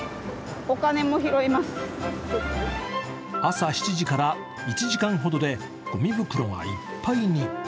朝７時から１時間ほどでごみ袋がいっぱいに。